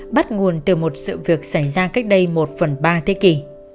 bắt nguồn từ một sự việc xảy ra cách đây một phần ba thế kỷ